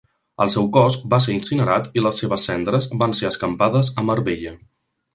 El seu cos va ser incinerat i les seves cendres van ser escampades a Marbella.